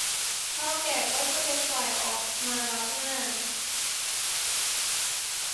เถ้าแก่ก็จะเป็นฝ่ายออกมารับหน้า